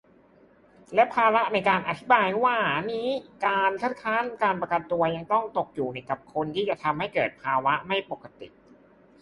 และภาระในการอธิบายว่านี้ การ "คัดค้านการประกันตัว" ก็ต้องตกอยู่กับคนที่จะทำให้เกิดภาวะไม่ปกติ